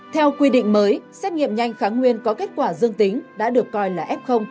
theo quy định mới xét nghiệm nhanh kháng nguyên có kết quả dương tính đã được coi là f